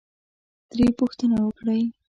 ترې پوښتنه وکړئ،